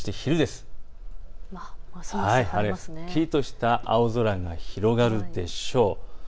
すっきりとした青空が広がるでしょう。